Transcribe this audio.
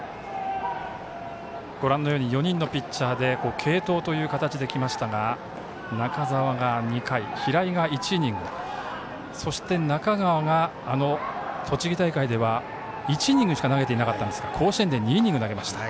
４人のピッチャーで継投という形できましたが中澤が２回、平井が１イニングそして、中川が栃木大会では１イニングしか投げていなかったんですが甲子園で２イニング投げました。